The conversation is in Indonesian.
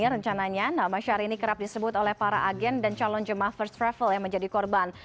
rencananya nama syahrini kerap disebut oleh para agen dan calon jemaah first travel yang menjadi korban